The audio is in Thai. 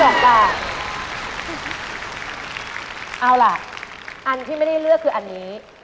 เอาล่ะอันที่ไม่ได้เลือกคืออันนี้